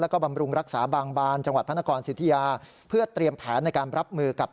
แล้วก็บำรุงรักษาบางบานจังหวัดพระนครสิทธิยาเพื่อเตรียมแผนในการรับมือกับ